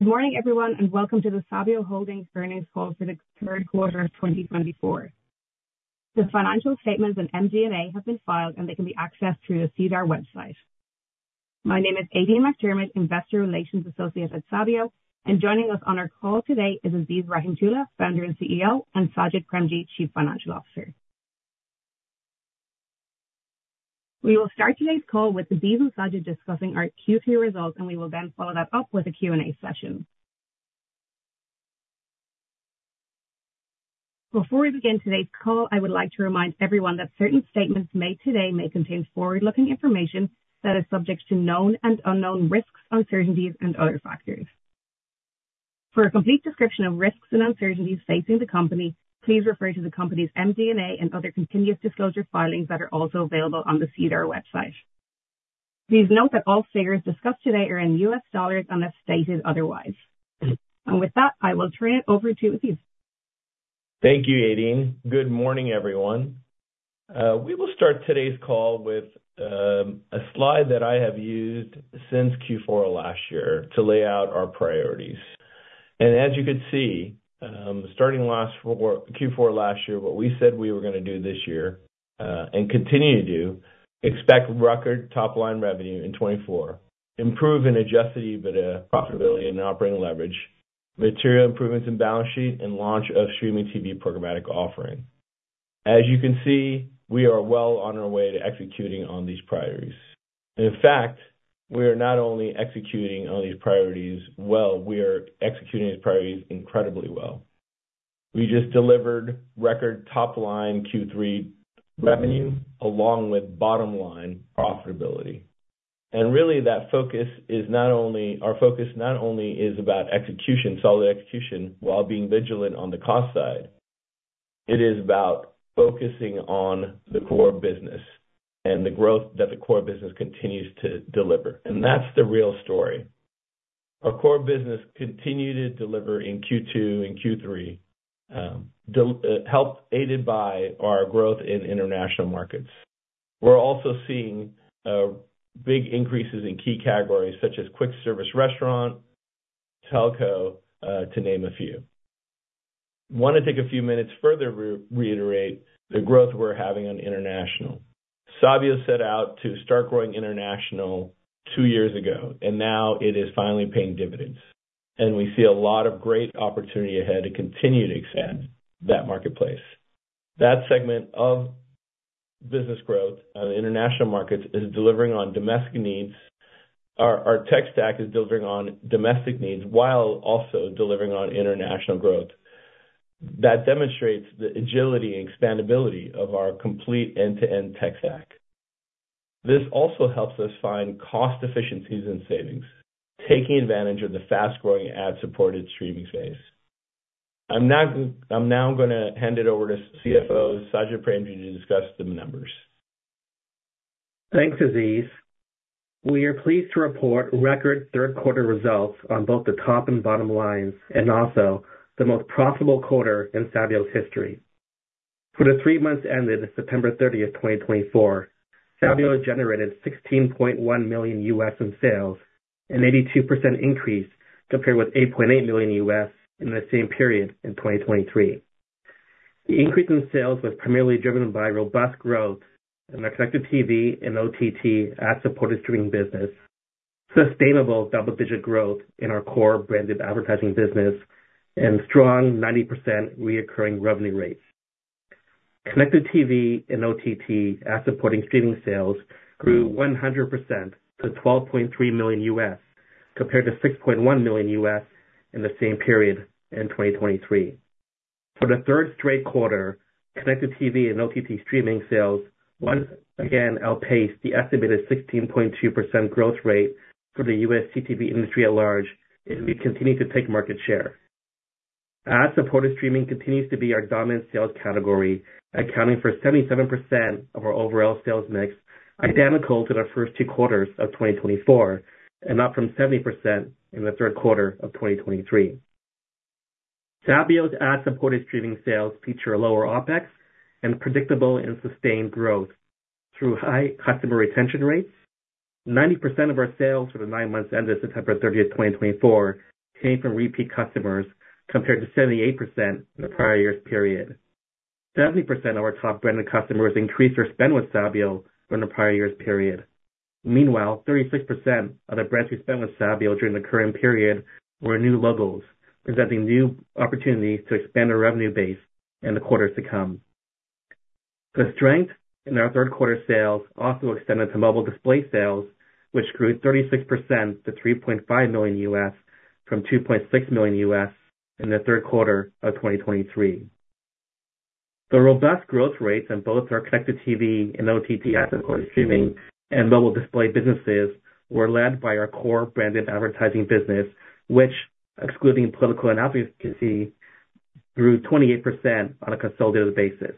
Good morning, everyone, and welcome to the Sabio Holdings Earnings Call for the Q3 of 2024. The financial statements and MD&A have been filed, and they can be accessed through the SEDAR website. My name is Aideen McDermott, Investor Relations Associate at Sabio, and joining us on our call today is Aziz Rahimtoola, Founder and CEO, and Sajid Premji, Chief Financial Officer. We will start today's call with Aziz and Sajid discussing our Q3 results, and we will then follow that up with a Q&A session. Before we begin today's call, I would like to remind everyone that certain statements made today may contain forward-looking information that is subject to known and unknown risks, uncertainties, and other factors. For a complete description of risks and uncertainties facing the company, please refer to the company's MD&A and other continuous disclosure filings that are also available on the SEDAR website. Please note that all figures discussed today are in U.S. dollars unless stated otherwise. And with that, I will turn it over to Aziz. Thank you, Aideen. Good morning, everyone. We will start today's call with a slide that I have used since Q4 last year to lay out our priorities, and as you could see, starting last Q4 last year, what we said we were going to do this year and continue to do: expect record top-line revenue in 2024, improve in Adjusted EBITDA, profitability, and operating leverage, material improvements in balance sheet, and launch of streaming TV programmatic offering. As you can see, we are well on our way to executing on these priorities. In fact, we are not only executing on these priorities well. We are executing these priorities incredibly well. We just delivered record top-line Q3 revenue along with bottom-line profitability. And really, that focus is not only, our focus not only is about execution, solid execution, while being vigilant on the cost side, it is about focusing on the core business and the growth that the core business continues to deliver. And that's the real story. Our core business continued to deliver in Q2 and Q3, helped by our growth in international markets. We're also seeing big increases in key categories such as quick service restaurant, telco, to name a few. I want to take a few minutes further to reiterate the growth we're having on international. Sabio set out to start growing international two years ago, and now it is finally paying dividends. And we see a lot of great opportunity ahead to continue to expand that marketplace. That segment of business growth on international markets is delivering on domestic needs. Our tech stack is delivering on domestic needs while also delivering on international growth. That demonstrates the agility and expandability of our complete end-to-end tech stack. This also helps us find cost efficiencies and savings, taking advantage of the fast-growing ad-supported streaming space. I'm now going to hand it over to CFO Sajid Premji to discuss the numbers. Thanks, Aziz. We are pleased to report record Q3 results on both the top and bottom lines and also the most profitable quarter in Sabio's history. For the three months ended September 30, 2024, Sabio generated $16.1 million in sales, an 82% increase compared with $8.8 million in the same period in 2023. The increase in sales was primarily driven by robust growth in our connected TV and OTT ad-supported streaming business, sustainable double-digit growth in our core branded advertising business, and strong 90% recurring revenue rates. Connected TV and OTT ad-supported streaming sales grew 100% to $12.3 million compared to $6.1 million in the same period in 2023. For the third straight quarter, connected TV and OTT streaming sales once again outpaced the estimated 16.2% growth rate for the U.S. CTV industry at large, and we continue to take market share. Ad-supported streaming continues to be our dominant sales category, accounting for 77% of our overall sales mix, identical to the first two quarters of 2024, and up from 70% in the Q3 of 2023. Sabio's ad-supported streaming sales feature lower OpEx and predictable and sustained growth through high customer retention rates. 90% of our sales for the nine months ended September 30, 2024, came from repeat customers compared to 78% in the prior year's period. 70% of our top branded customers increased their spend with Sabio during the prior year's period. Meanwhile, 36% of the brands we spent with Sabio during the current period were new logos, presenting new opportunities to expand our revenue base in the quarters to come. The strength in our Q3 sales also extended to mobile display sales, which grew 36% to $3.5 million from $2.6 million in the Q3 of 2023. The robust growth rates in both our connected TV and OTT ad-supported streaming and mobile display businesses were led by our core branded advertising business, which, excluding political advertising, grew 28% on a consolidated basis.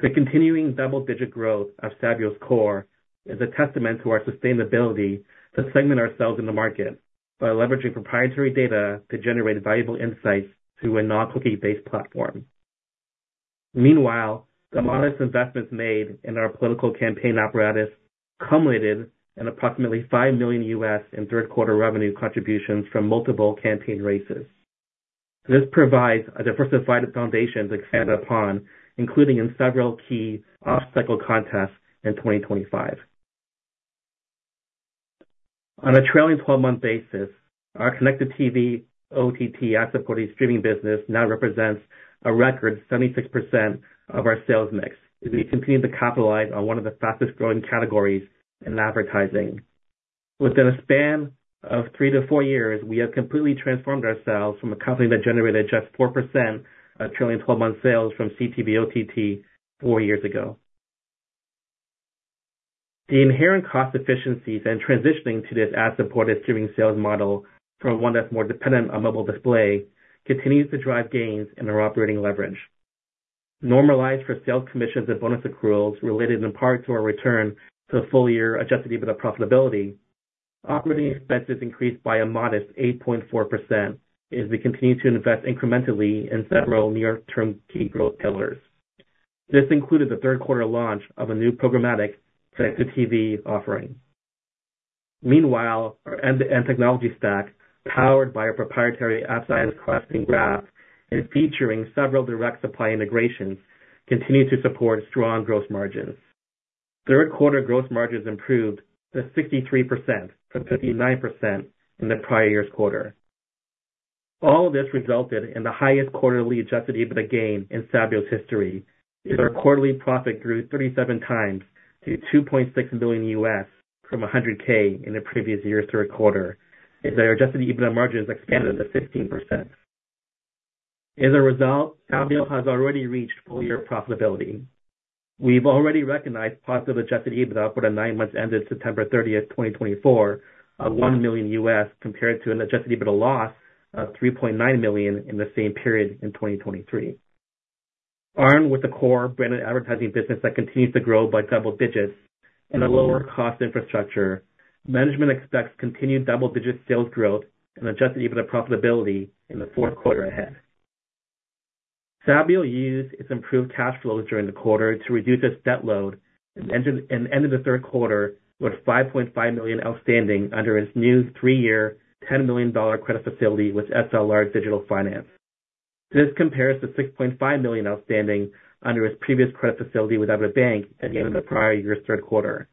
The continuing double-digit growth of Sabio's core is a testament to our sustainability to segment ourselves in the market by leveraging proprietary data to generate valuable insights through a non-cookie-based platform. Meanwhile, the modest investments made in our political campaign apparatus culminated in approximately $5 million in Q3 revenue contributions from multiple campaign races. This provides a diversified foundation to expand upon, including in several key off-cycle contests in 2025. On a trailing 12-month basis, our connected TV OTT ad-supported streaming business now represents a record 76% of our sales mix, as we continue to capitalize on one of the fastest-growing categories in advertising. Within a span of three to four years, we have completely transformed ourselves from a company that generated just 4% of trailing 12-month sales from CTV OTT four years ago. The inherent cost efficiencies and transitioning to this ad-supported streaming sales model from one that's more dependent on mobile display continues to drive gains in our operating leverage. Normalized for sales commissions and bonus accruals related in part to our return to full-year Adjusted EBITDA profitability, operating expenses increased by a modest 8.4% as we continue to invest incrementally in several near-term key growth pillars. This included the Q3 launch of a new programmatic connected TV offering. Meanwhile, our end-to-end technology stack, powered by our proprietary AppScience costing graph and featuring several direct supply integrations, continues to support strong gross margins. Q3 gross margins improved to 63% from 59% in the prior year's quarter. All of this resulted in the highest quarterly adjusted EBITDA gain in Sabio's history, as our quarterly profit grew 37 times to $2.6 million from $100,000 in the previous year's Q3, as our adjusted EBITDA margins expanded to 16%. As a result, Sabio has already reached full-year profitability. We've already recognized positive adjusted EBITDA for the nine months ended September 30, 2024, of $1 million compared to an adjusted EBITDA loss of $3.9 million in the same period in 2023. Armed with a core branded advertising business that continues to grow by double digits and a lower cost infrastructure, management expects continued double-digit sales growth and adjusted EBITDA profitability in the Q4 ahead. Sabio used its improved cash flows during the quarter to reduce its debt load and ended the Q3 with 5.5 million outstanding under its new three-year 10 million dollar credit facility with SLR Digital Finance. This compares to 6.5 million outstanding under its previous credit facility with Avidbank at the end of the prior year's Q3.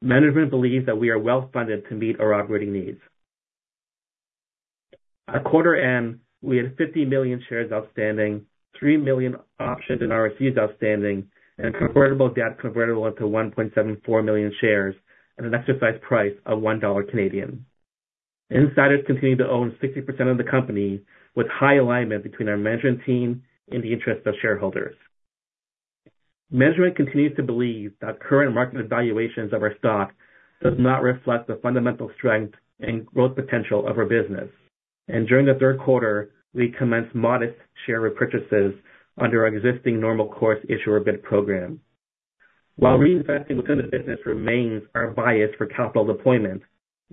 Management believes that we are well-funded to meet our operating needs. At quarter end, we had 50 million shares outstanding, three million options and RSUs outstanding, and convertible debt convertible into 1.74 million shares at an exercise price of 1 Canadian dollar. Insiders continue to own 60% of the company, with high alignment between our management team and the interests of shareholders. Management continues to believe that current market valuations of our stock do not reflect the fundamental strength and growth potential of our business. During the Q3, we commenced modest share repurchases under our existing Normal Course Issuer Bid program. While reinvesting within the business remains our bias for capital deployment,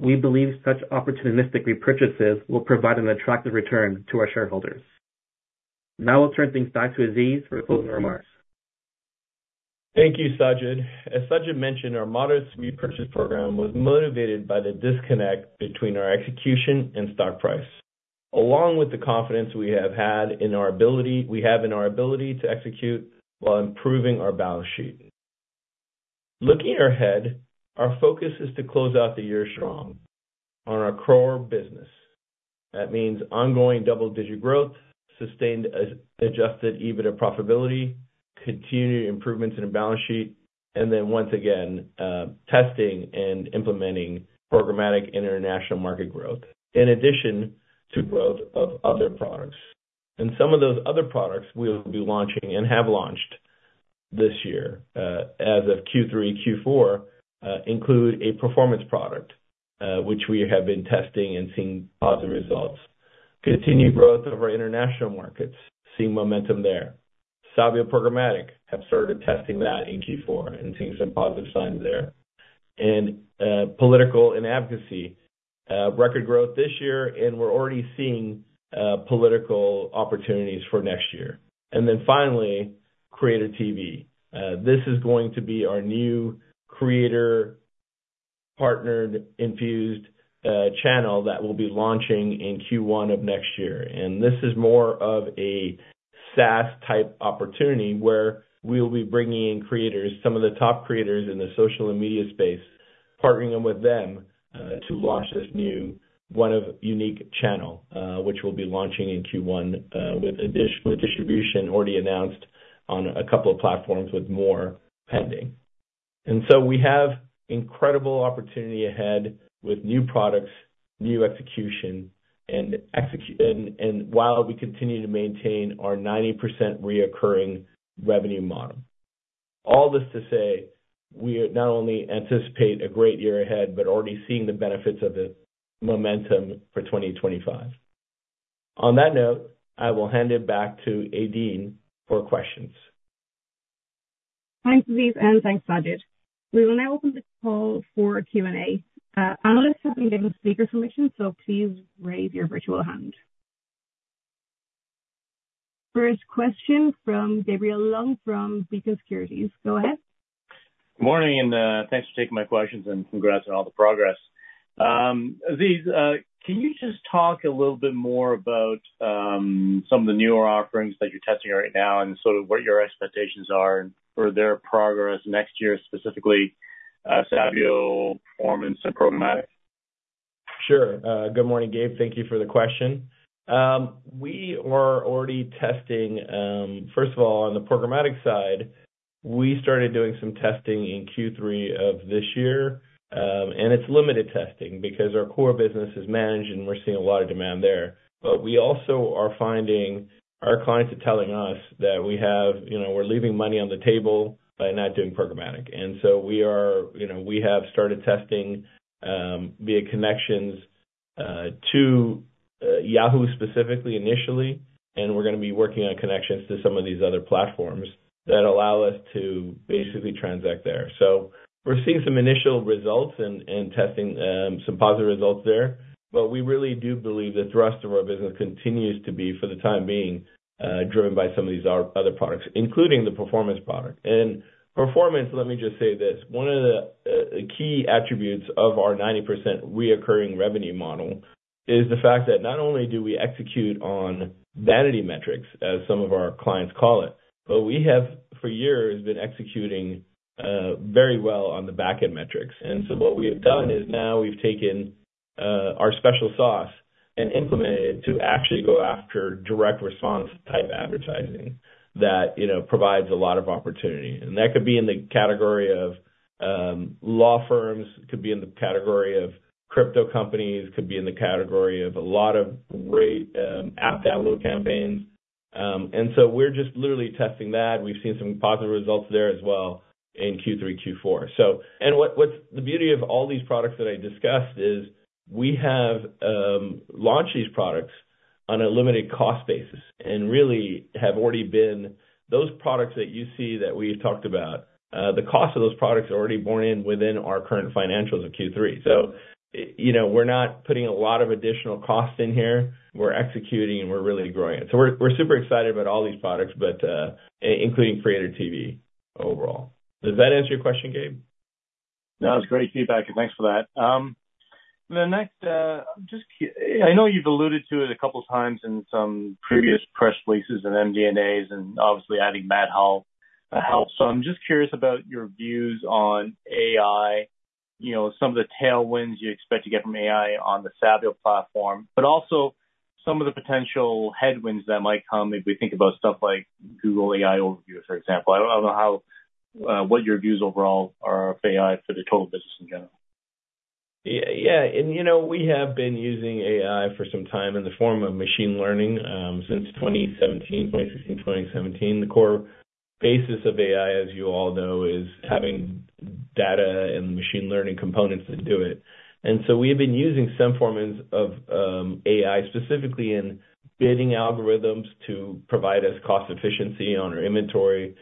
we believe such opportunistic repurchases will provide an attractive return to our shareholders. Now I'll turn things back to Aziz for closing remarks. Thank you, Sajid. As Sajid mentioned, our modest repurchase program was motivated by the disconnect between our execution and stock price, along with the confidence we have had in our ability to execute while improving our balance sheet. Looking ahead, our focus is to close out the year strong on our core business. That means ongoing double-digit growth, sustained Adjusted EBITDA profitability, continued improvements in the balance sheet, and then once again testing and implementing programmatic international market growth, in addition to growth of other products. And some of those other products we will be launching and have launched this year as of Q3, Q4 include a performance product, which we have been testing and seeing positive results. Continued growth of our international markets, seeing momentum there. Sabio Programmatic has started testing that in Q4 and seeing some positive signs there. And political and advocacy, record growth this year, and we're already seeing political opportunities for next year. Then finally, Creator TV. This is going to be our new creator-partnered infused channel that we'll be launching in Q1 of next year. And this is more of a SaaS-type opportunity where we'll be bringing in creators, some of the top creators in the social and media space, partnering with them to launch this new, one-of-a-kind unique channel, which we'll be launching in Q1 with additional distribution already announced on a couple of platforms with more pending. And so we have incredible opportunity ahead with new products, new execution, and while we continue to maintain our 90% recurring revenue model. All this to say, we not only anticipate a great year ahead, but already seeing the benefits of the momentum for 2025. On that note, I will hand it back to Aideen for questions. Thanks, Aziz, and thanks, Sajid. We will now open the call for Q&A. Panelists have been given speaker permission, so please raise your virtual hand. First question from Gabriel Leung from Beacon Securities. Go ahead. Good morning, and thanks for taking my questions and congrats on all the progress. Aziz, can you just talk a little bit more about some of the newer offerings that you're testing right now and sort of what your expectations are for their progress next year, specifically Sabio Performance and Programmatic? Sure. Good morning, Gabe. Thank you for the question. We are already testing, first of all, on the programmatic side. We started doing some testing in Q3 of this year, and it's limited testing because our core business is managed, and we're seeing a lot of demand there. But we also are finding our clients are telling us that we're leaving money on the table by not doing programmatic. And so we have started testing via connections to Yahoo specifically initially, and we're going to be working on connections to some of these other platforms that allow us to basically transact there. So we're seeing some initial results and testing some positive results there, but we really do believe the thrust of our business continues to be, for the time being, driven by some of these other products, including the performance product. And performance, let me just say this. One of the key attributes of our 90% recurring revenue model is the fact that not only do we execute on vanity metrics, as some of our clients call it, but we have, for years, been executing very well on the backend metrics, and so what we have done is now we've taken our special sauce and implemented it to actually go after direct response type advertising that provides a lot of opportunity, and that could be in the category of law firms, could be in the category of crypto companies, could be in the category of a lot of app download campaigns, and so we're just literally testing that. We've seen some positive results there as well in Q3, Q4. The beauty of all these products that I discussed is we have launched these products on a limited cost basis and really have already been those products that you see that we've talked about. The cost of those products are already borne within our current financials of Q3. We're not putting a lot of additional cost in here. We're executing, and we're really growing it. We're super excited about all these products, including Creator TV overall. Does that answer your question, Gabe? No, it's great feedback, and thanks for that. The next, I know you've alluded to it a couple of times in some previous press releases and MD&As and obviously adding App Science. So I'm just curious about your views on AI, some of the tailwinds you expect to get from AI on the Sabio platform, but also some of the potential headwinds that might come if we think about stuff like Google AI Overview, for example. I don't know what your views overall are of AI for the total business in general. Yeah, and we have been using AI for some time in the form of machine learning since 2016, 2017. The core basis of AI, as you all know, is having data and machine learning components that do it. And so we have been using some forms of AI, specifically in bidding algorithms to provide us cost efficiency on our inventory.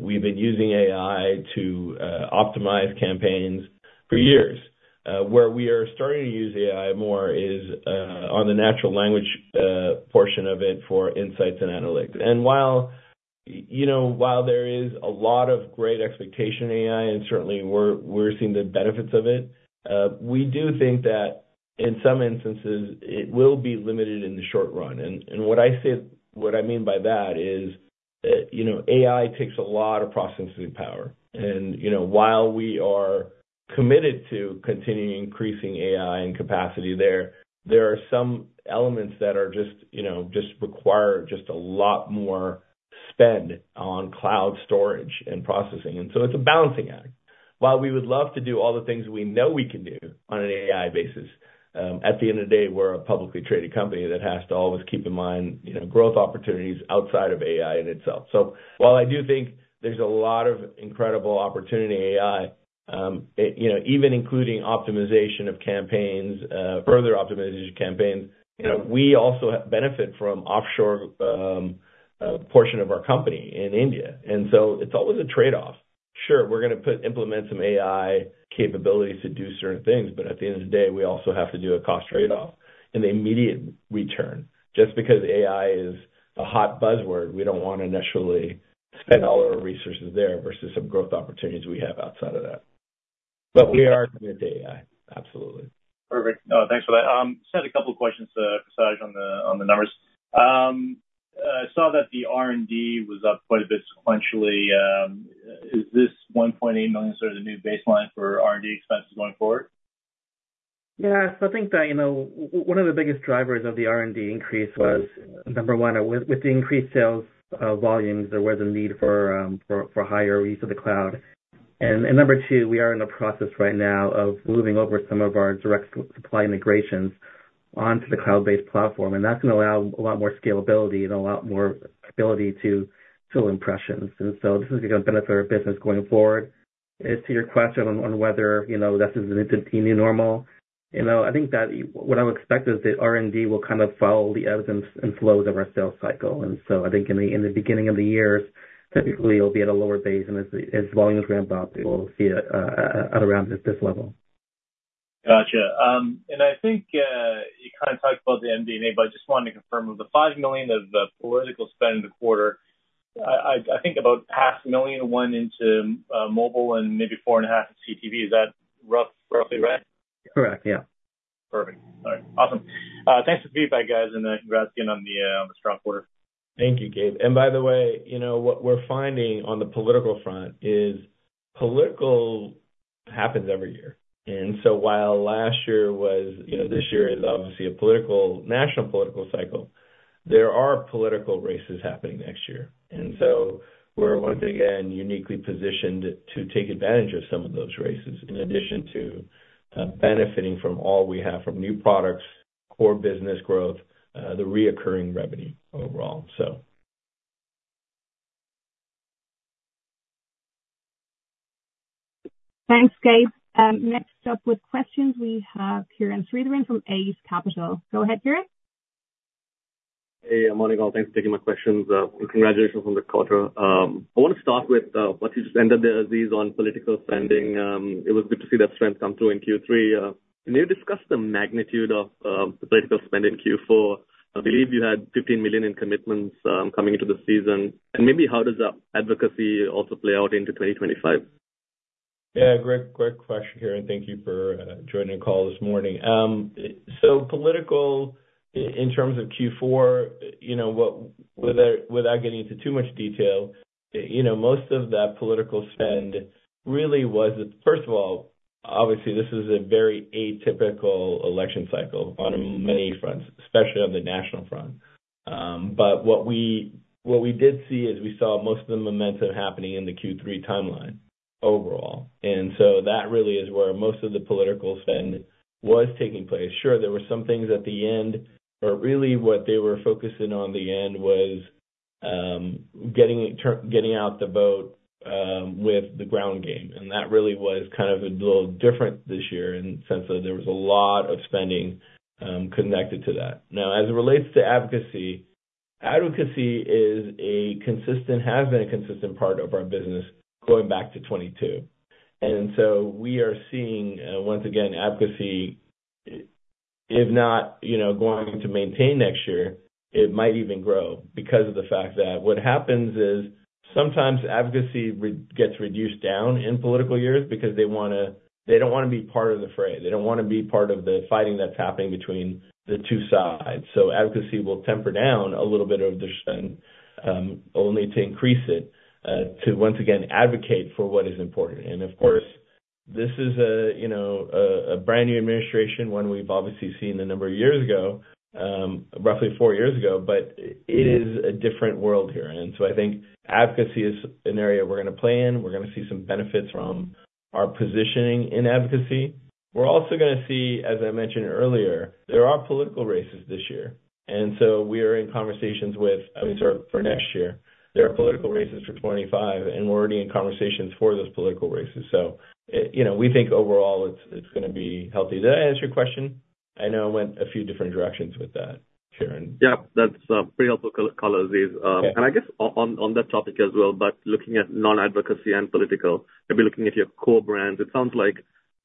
We've been using AI to optimize campaigns for years. Where we are starting to use AI more is on the natural language portion of it for insights and analytics. And while there is a lot of great expectation in AI, and certainly we're seeing the benefits of it, we do think that in some instances, it will be limited in the short run. And what I mean by that is AI takes a lot of processing power. And while we are committed to continuing increasing AI and capacity there, there are some elements that just require just a lot more spend on cloud storage and processing. And so it's a balancing act. While we would love to do all the things we know we can do on an AI basis, at the end of the day, we're a publicly traded company that has to always keep in mind growth opportunities outside of AI in itself. So while I do think there's a lot of incredible opportunity in AI, even including optimization of campaigns, further optimization of campaigns, we also benefit from an offshore portion of our company in India. And so it's always a trade-off. Sure, we're going to implement some AI capabilities to do certain things, but at the end of the day, we also have to do a cost trade-off in the immediate return. Just because AI is a hot buzzword, we don't want to necessarily spend all our resources there versus some growth opportunities we have outside of that. But we are committed to AI, absolutely. Perfect. No, thanks for that. I just had a couple of questions for Sajid on the numbers. I saw that the R&D was up quite a bit sequentially. Is this 1.8 million sort of the new baseline for R&D expenses going forward? Yeah, so I think that one of the biggest drivers of the R&D increase was number one, with the increased sales volumes, there was a need for higher use of the cloud. And number two, we are in the process right now of moving over some of our direct supply integrations onto the cloud-based platform. And that's going to allow a lot more scalability and a lot more ability to fill impressions. And so this is going to benefit our business going forward. As to your question on whether this is the new normal, I think that what I would expect is that R&D will kind of follow the ebbs and flows of our sales cycle. And so I think in the beginning of the years, typically it'll be at a lower base, and as volumes ramp up, we'll see it at around this level. Gotcha. And I think you kind of talked about the MD&A, but I just wanted to confirm, of the 5 million of political spend in the quarter, I think about 500,000 went into mobile and maybe 4.5 million to CTV. Is that roughly right? Correct, yeah. Perfect. All right, awesome. Thanks for the feedback, guys, and congrats again on the strong quarter. Thank you, Gabe. By the way, what we're finding on the political front is politics happens every year. So while last year was, this year is obviously a political national political cycle, there are political races happening next year. We're once again uniquely positioned to take advantage of some of those races in addition to benefiting from all we have from new products, core business growth, the recurring revenue overall, so. Thanks, Gabe. Next up with questions, we have Kiran Sritharan from Eight Capital. Go ahead, Kiran. Hey, I'm on it. Thanks for taking my questions. Congratulations on the quarter. I want to start with what you just ended there, Aziz, on political spending. It was good to see that strength come through in Q3. Can you discuss the magnitude of the political spend in Q4? I believe you had $15 million in commitments coming into the season, and maybe how does that advocacy also play out into 2025? Yeah, great question, Kiran. Thank you for joining the call this morning. So, political in terms of Q4, without getting into too much detail, most of that political spend really was, first of all, obviously, this is a very atypical election cycle on many fronts, especially on the national front. But what we did see is we saw most of the momentum happening in the Q3 timeline overall. And so that really is where most of the political spend was taking place. Sure, there were some things at the end, but really what they were focusing on at the end was getting out the vote with the ground game. And that really was kind of a little different this year in the sense that there was a lot of spending connected to that. Now, as it relates to advocacy, advocacy has been a consistent part of our business going back to 2022. And so we are seeing, once again, advocacy, if not going to maintain next year, it might even grow because of the fact that what happens is sometimes advocacy gets reduced down in political years because they don't want to be part of the fray. They don't want to be part of the fighting that's happening between the two sides. So advocacy will temper down a little bit of their spend, only to increase it to, once again, advocate for what is important. And of course, this is a brand new administration, one we've obviously seen a number of years ago, roughly four years ago, but it is a different world here. And so I think advocacy is an area we're going to play in. We're going to see some benefits from our positioning in advocacy. We're also going to see, as I mentioned earlier, there are political races this year, and so we are in conversations with, I mean, sorry, for next year. There are political races for 2025, and we're already in conversations for those political races, so we think overall it's going to be healthy. Did I answer your question? I know I went a few different directions with that, Kiran. Yep, that's pretty helpful color, Aziz. And I guess on that topic as well, but looking at non-advocacy and political, maybe looking at your core brands, it sounds like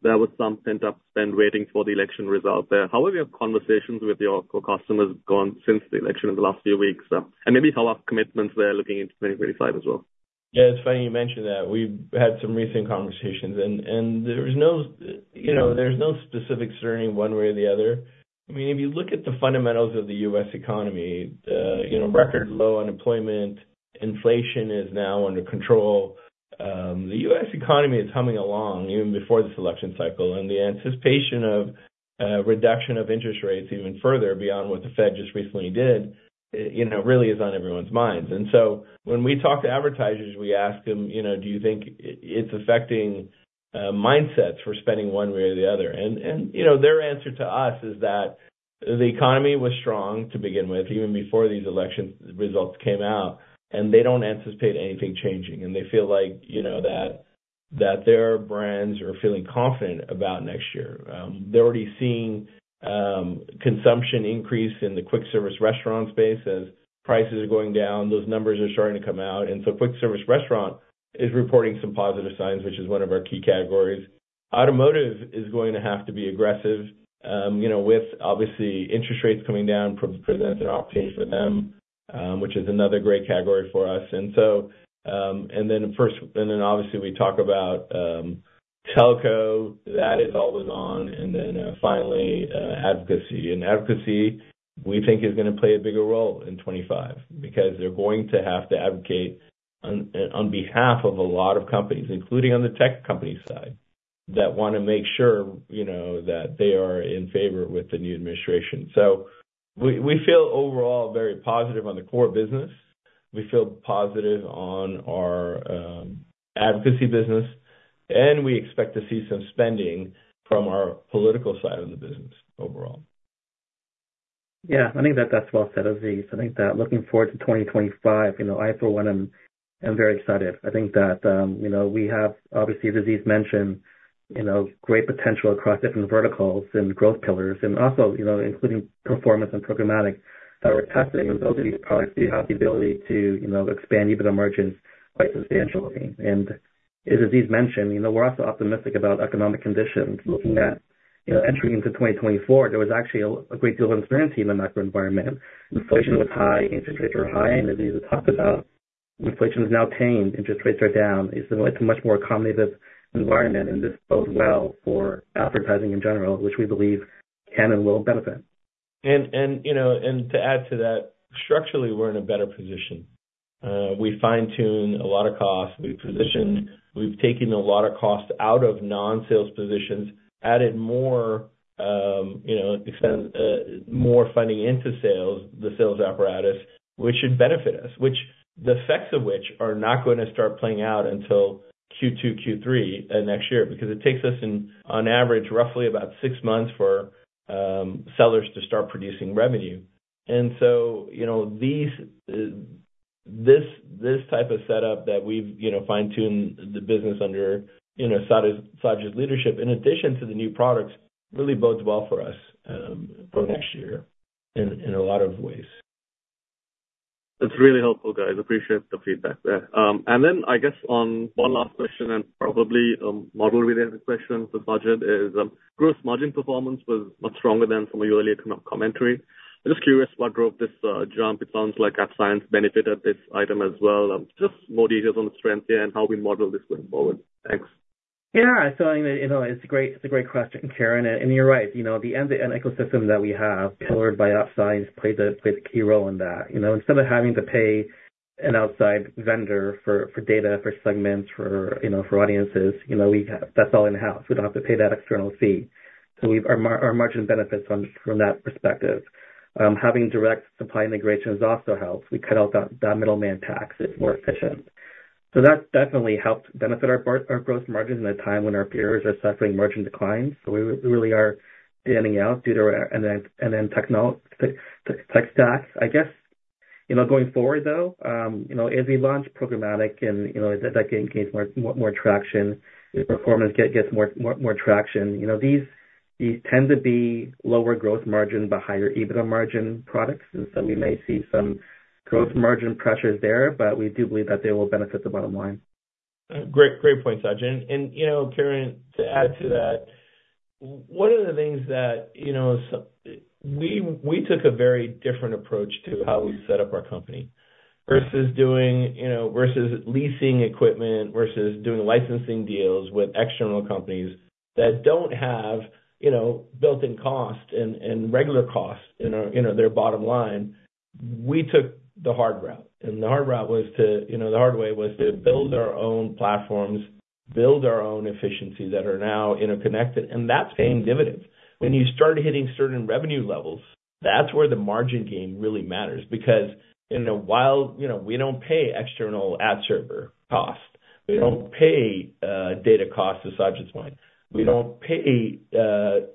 there was some pent-up spend waiting for the election result there. How have your conversations with your core customers gone since the election in the last few weeks? And maybe how are commitments there looking into 2025 as well? Yeah, it's funny you mentioned that. We've had some recent conversations, and there's no specifics turning one way or the other. I mean, if you look at the fundamentals of the U.S. economy, record low unemployment. Inflation is now under control. The U.S. economy is humming along even before this election cycle. And the anticipation of reduction of interest rates even further beyond what the Fed just recently did really is on everyone's minds. And so when we talk to advertisers, we ask them, "Do you think it's affecting mindsets for spending one way or the other?" And their answer to us is that the economy was strong to begin with, even before these election results came out, and they don't anticipate anything changing. And they feel like that their brands are feeling confident about next year. They're already seeing consumption increase in the quick-service restaurant space as prices are going down. Those numbers are starting to come out. And so quick-service restaurant is reporting some positive signs, which is one of our key categories. Automotive is going to have to be aggressive with, obviously, interest rates coming down. Presents an opportunity for them, which is another great category for us. And then obviously, we talk about telco. That is always on. And then finally, advocacy. And advocacy, we think, is going to play a bigger role in 2025 because they're going to have to advocate on behalf of a lot of companies, including on the tech company side, that want to make sure that they are in favor with the new administration. So we feel overall very positive on the core business. We feel positive on our advocacy business, and we expect to see some spending from our political side of the business overall. Yeah, I think that that's well said, Aziz. I think that looking forward to 2025, I for one, I'm very excited. I think that we have, obviously, as Aziz mentioned, great potential across different verticals and growth pillars, and also including performance and programmatic robustness. Those products do have the ability to expand even our margins quite substantially. And as Aziz mentioned, we're also optimistic about economic conditions. Looking at entry into 2024, there was actually a great deal of uncertainty in the macro environment. Inflation was high, interest rates were high, and as Aziz talked about, inflation is now tamed, interest rates are down. It's a much more accommodative environment, and this bodes well for advertising in general, which we believe can and will benefit. And to add to that, structurally, we're in a better position. We fine-tune a lot of costs. We've taken a lot of costs out of non-sales positions, added more funding into sales, the sales apparatus, which should benefit us, which the effects of which are not going to start playing out until Q2, Q3 next year because it takes us, on average, roughly about six months for sellers to start producing revenue. And so this type of setup that we've fine-tuned the business under Sajid's leadership, in addition to the new products, really bodes well for us for next year in a lot of ways. That's really helpful, guys. Appreciate the feedback there. And then I guess on one last question, and probably a model-related question for Sajid, is gross margin performance was much stronger than some of your earlier commentary. I'm just curious what drove this jump. It sounds like AppScience benefited this item as well. Just more details on the strength here and how we model this going forward. Thanks. Yeah, so I mean, it's a great question, Kiran, and you're right. The end-to-end ecosystem that we have powered by AppScience plays a key role in that. Instead of having to pay an outside vendor for data, for segments, for audiences, that's all in-house. We don't have to pay that external fee. So our margin benefits from that perspective. Having direct supply integration has also helped. We cut out that middleman tax. It's more efficient. So that definitely helped benefit our gross margins in a time when our peers are suffering margin declines. So we really are standing out due to an end-to-end tech stack. I guess going forward, though, as we launch programmatic and that gained more traction, performance gets more traction. These tend to be lower gross margin but higher EBITDA margin products. And so we may see some gross margin pressures there, but we do believe that they will benefit the bottom line. Great point, Sajid. And Kiran, to add to that, one of the things that we took a very different approach to how we set up our company versus leasing equipment versus doing licensing deals with external companies that don't have built-in costs and regular costs in their bottom line. We took the hard route. And the hard route, the hard way, was to build our own platforms, build our own efficiencies that are now interconnected. And that's paying dividends. When you start hitting certain revenue levels, that's where the margin game really matters because while we don't pay external ad server costs, we don't pay data costs, as Sajid's point. We don't pay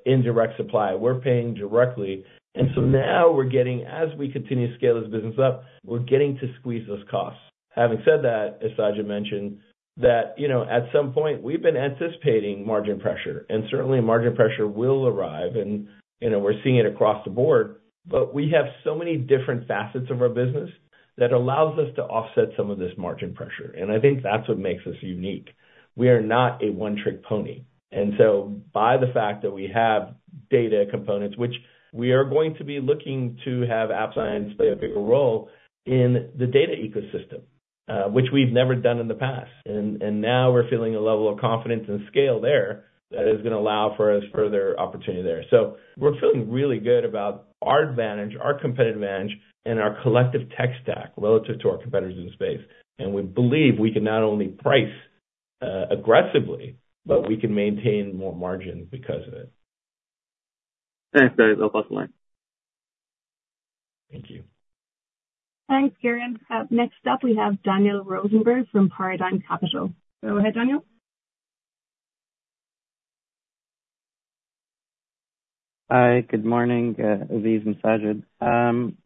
indirect supply. We're paying directly. And so now we're getting, as we continue to scale this business up, we're getting to squeeze those costs. Having said that, as Sajid mentioned, that at some point, we've been anticipating margin pressure. And certainly, margin pressure will arrive. And we're seeing it across the board. But we have so many different facets of our business that allows us to offset some of this margin pressure. And I think that's what makes us unique. We are not a one-trick pony. And so by the fact that we have data components, which we are going to be looking to have AppScience play a bigger role in the data ecosystem, which we've never done in the past. And now we're feeling a level of confidence and scale there that is going to allow for us further opportunity there. So we're feeling really good about our advantage, our competitive advantage, and our collective tech stack relative to our competitors in the space. We believe we can not only price aggressively, but we can maintain more margin because of it. Thanks, guys. That was awesome. Thank you. Thanks, Kiran. Next up, we have Daniel Rosenberg from Paradigm Capital. Go ahead, Daniel. Hi, good morning, Aziz and Sajid.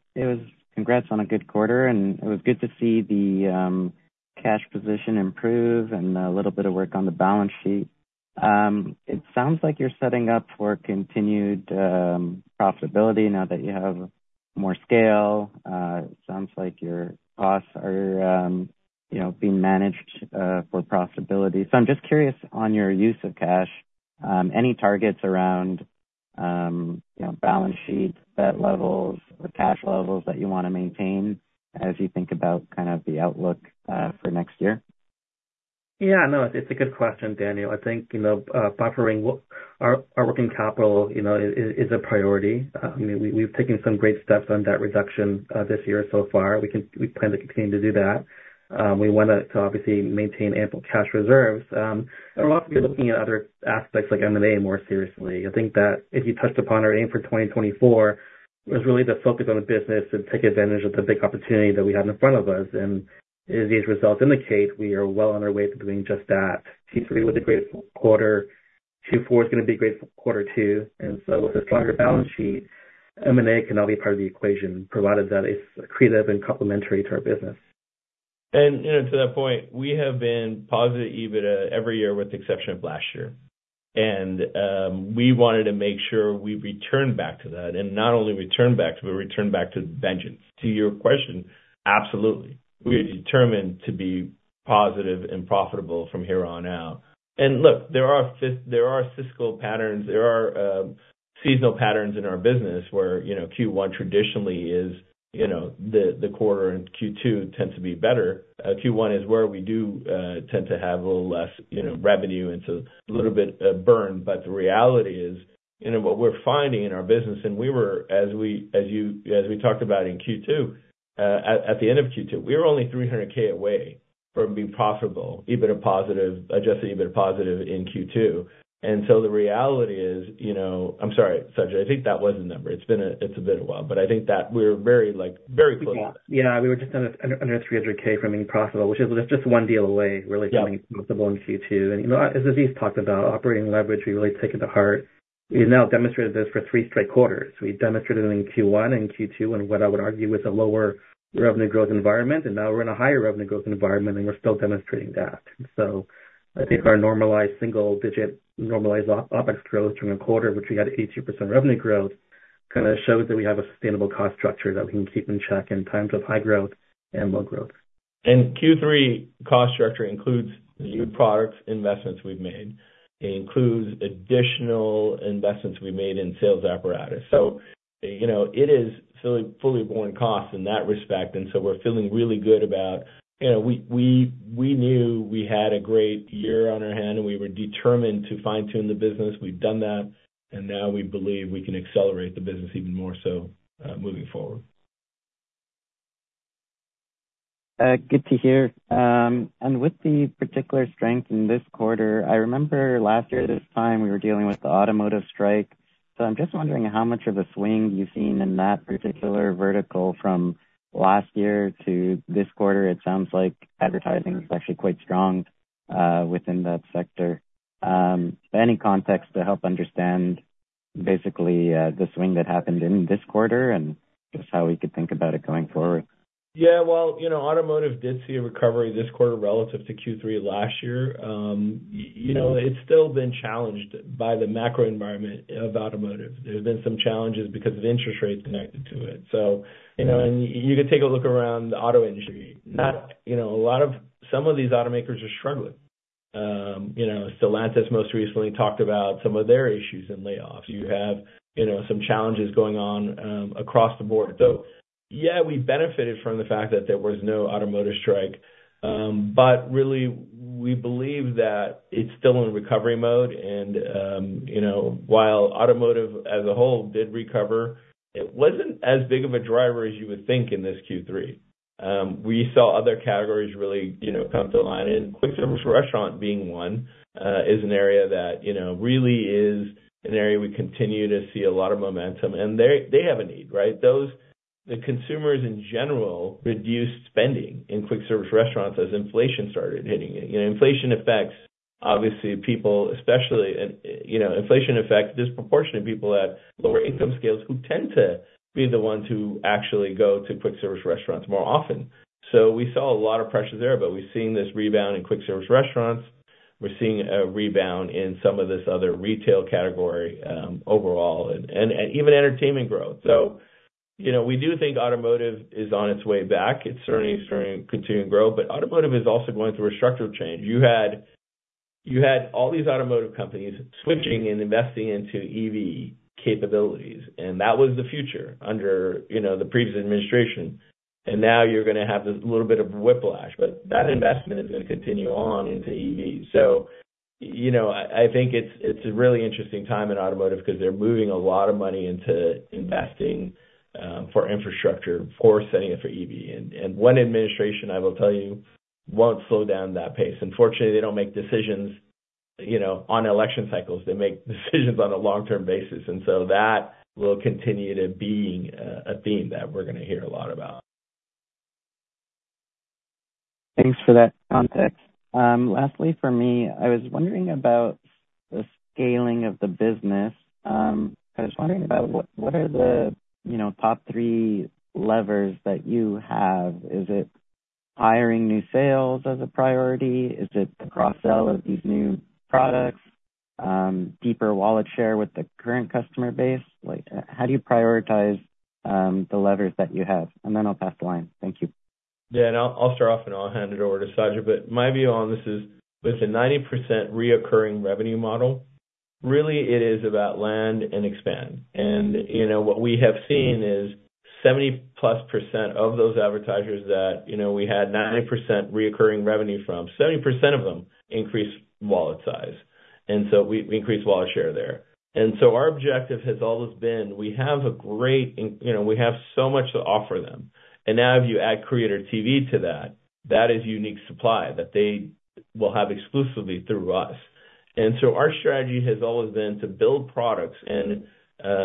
Congrats on a good quarter, and it was good to see the cash position improve and a little bit of work on the balance sheet. It sounds like you're setting up for continued profitability now that you have more scale. It sounds like your costs are being managed for profitability, so I'm just curious on your use of cash, any targets around balance sheets, debt levels, or cash levels that you want to maintain as you think about kind of the outlook for next year? Yeah, no, it's a good question, Daniel. I think buffering our working capital is a priority. We've taken some great steps on that reduction this year so far. We plan to continue to do that. We want to obviously maintain ample cash reserves. We're also looking at other aspects like M&A more seriously. I think that, as you touched upon our aim for 2024, it was really the focus on the business to take advantage of the big opportunity that we have in front of us, and as these results indicate, we are well on our way to doing just that. Q3 was a great quarter. Q4 is going to be a great quarter too, and so with a stronger balance sheet, M&A can now be part of the equation provided that it's creative and complementary to our business. And to that point, we have been positive EBITDA every year with the exception of last year. And we wanted to make sure we returned back to that and not only returned back to it, but returned back to vengeance. To your question, absolutely. We are determined to be positive and profitable from here on out. And look, there are fiscal patterns. There are seasonal patterns in our business where Q1 traditionally is the quarter, and Q2 tends to be better. Q1 is where we do tend to have a little less revenue and so a little bit burned. But the reality is what we're finding in our business, and we were, as we talked about in Q2, at the end of Q2, we were only 300,000 away from being profitable, adjusted EBITDA positive in Q2. And so the reality is, I'm sorry, Sajid, I think that was the number. It's been a bit of a while, but I think that we're very, very close. Yeah, we were just under 300,000 from being profitable, which is just one deal away, really becoming possible in Q2. As Aziz talked about operating leverage, we really take it to heart. We have now demonstrated this for three straight quarters. We demonstrated it in Q1 and Q2 in what I would argue was a lower revenue growth environment. Now we are in a higher revenue growth environment, and we are still demonstrating that. Our normalized single-digit normalized OpEx growth during a quarter, which we had 82% revenue growth, kind of shows that we have a sustainable cost structure that we can keep in check in times of high growth and low growth. Q3 cost structure includes new product investments we've made. It includes additional investments we've made in sales apparatus. So it is fully borne costs in that respect. We're feeling really good about it. We knew we had a great year on our hands, and we were determined to fine-tune the business. We've done that. Now we believe we can accelerate the business even more so moving forward. Good to hear and with the particular strength in this quarter, I remember last year at this time, we were dealing with the automotive strike so I'm just wondering how much of a swing you've seen in that particular vertical from last year to this quarter. It sounds like advertising is actually quite strong within that sector. Any context to help understand basically the swing that happened in this quarter and just how we could think about it going forward? Yeah, well, automotive did see a recovery this quarter relative to Q3 last year. It's still been challenged by the macro environment of automotive. There have been some challenges because of interest rates connected to it. And you could take a look around the auto industry. A lot of some of these automakers are struggling. Stellantis most recently talked about some of their issues and layoffs. You have some challenges going on across the board. So yeah, we benefited from the fact that there was no automotive strike. But really, we believe that it's still in recovery mode. And while automotive as a whole did recover, it wasn't as big of a driver as you would think in this Q3. We saw other categories really come to the line. And quick service restaurant being one is an area that really is an area we continue to see a lot of momentum. And they have a need, right? The consumers in general reduced spending in quick service restaurants as inflation started hitting. Inflation affects, obviously, people, especially inflation affects disproportionately people at lower income scales who tend to be the ones who actually go to quick service restaurants more often. So we saw a lot of pressures there, but we've seen this rebound in quick service restaurants. We're seeing a rebound in some of this other retail category overall and even entertainment growth. So we do think automotive is on its way back. It's certainly starting to continue to grow. But automotive is also going through a structural change. You had all these automotive companies switching and investing into EV capabilities. And that was the future under the previous administration. And now you're going to have this little bit of whiplash. But that investment is going to continue on into EVs. So I think it's a really interesting time in automotive because they're moving a lot of money into investing for infrastructure, for setting up for EV. And one administration, I will tell you, won't slow down that pace. Unfortunately, they don't make decisions on election cycles. They make decisions on a long-term basis. And so that will continue to be a theme that we're going to hear a lot about. Thanks for that context. Lastly, for me, I was wondering about the scaling of the business. I was wondering about what are the top three levers that you have? Is it hiring new sales as a priority? Is it the cross-sell of these new products? Deeper wallet share with the current customer base? How do you prioritize the levers that you have? And then I'll pass the line. Thank you. Yeah, and I'll start off, and I'll hand it over to Sajid, but my view on this is with a 90% recurring revenue model, really, it is about land and expand, and what we have seen is 70+% of those advertisers that we had 90% recurring revenue from, 70% of them increased wallet size, and so we increased wallet share there, and so our objective has always been. We have so much to offer them, now if you add Creator TV to that, that is unique supply that they will have exclusively through us, and so our strategy has always been to build products and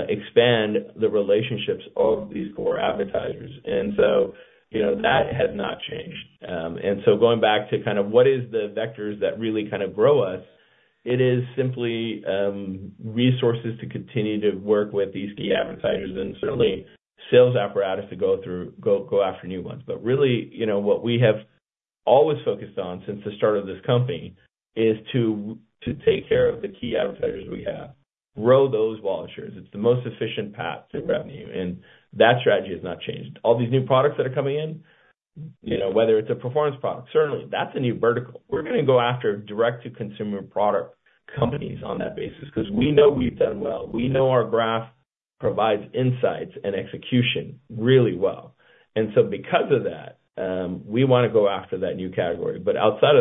expand the relationships of these four advertisers, and so that has not changed. And so, going back to kind of what is the vectors that really kind of grow us, it is simply resources to continue to work with these key advertisers and certainly sales apparatus to go after new ones. But really, what we have always focused on since the start of this company is to take care of the key advertisers we have, grow those wallet shares. It's the most efficient path to revenue. And that strategy has not changed. All these new products that are coming in, whether it's a performance product, certainly, that's a new vertical. We're going to go after direct-to-consumer product companies on that basis because we know we've done well. We know our graph provides insights and execution really well. And so because of that, we want to go after that new category. But outside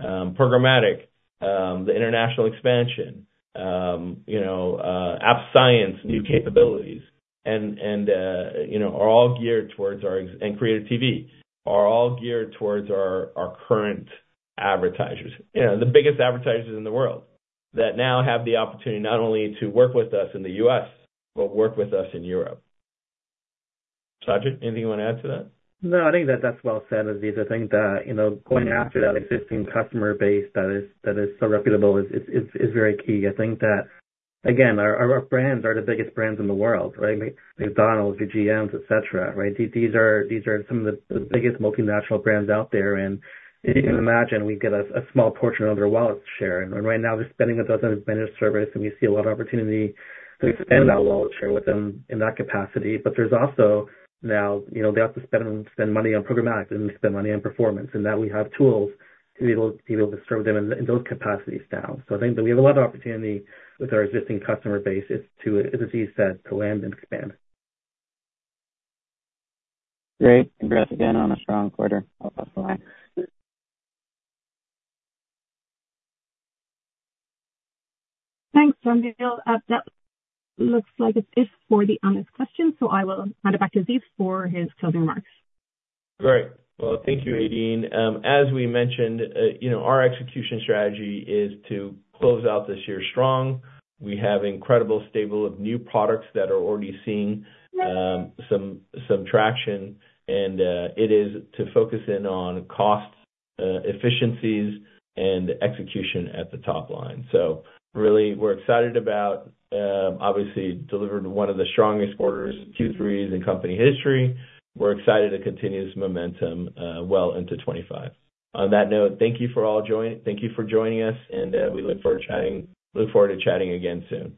of that, programmatic, the international expansion, App Science, new capabilities, and Creator TV are all geared towards our current advertisers, the biggest advertisers in the world that now have the opportunity not only to work with us in the US, but work with us in Europe. Sajid, anything you want to add to that? No, I think that that's well said, Aziz. I think that going after that existing customer base that is so reputable is very key. I think that, again, our brands are the biggest brands in the world, right? McDonald's, GMs, etc., right? These are some of the biggest multinational brands out there. And you can imagine we get a small portion of their wallet share. And right now, they're spending across a dozen vendor services, and we see a lot of opportunity to expand that wallet share with them in that capacity. But there's also now they have to spend money on programmatic, and they spend money on performance, and that we have tools to be able to serve them in those capacities now. So I think that we have a lot of opportunity with our existing customer base to, as Aziz said, to land and expand. Great. Congrats again on a strong quarter. Thanks, Daniel. That looks like it's it for the honest question. So I will hand it back to Aziz for his closing remarks. All right, well, thank you, Aideen. As we mentioned, our execution strategy is to close out this year strong. We have an incredible stable of new products that are already seeing some traction. And it is to focus in on cost efficiencies and execution at the top line. So really, we're excited about, obviously, delivering one of the strongest quarters, Q3s, in company history. We're excited to continue this momentum well into 2025. On that note, thank you all for joining. Thank you for joining us. And we look forward to chatting again soon.